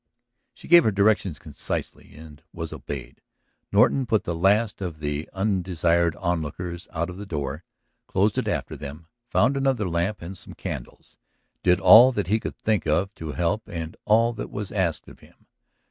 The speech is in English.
She gave her directions concisely and was obeyed. Norton put the last of the undesired onlookers out of the door, closed it after them, found another lamp and some candles, did all that he could think of to help and all that was asked of him.